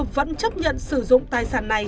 vẫn chấp nhận sử dụng tài sản này